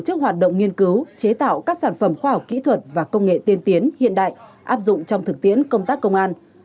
tổ chức hoạt động nghiên cứu chế tạo các sản phẩm khoa học kỹ thuật và công nghệ tiên tiến hiện đại áp dụng trong thực tiễn công tác công an